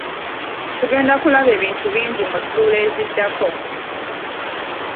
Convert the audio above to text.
Tugenda kulaba ebintu bingi mu ssuula eziddako.